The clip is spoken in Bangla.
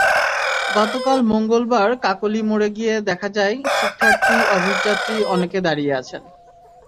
গতকাল মঙ্গলবার কাকলী মোড়ে গিয়ে দেখা যায়, শিক্ষার্থী, অফিসযাত্রী অনেকে দাঁড়িয়ে আছেন।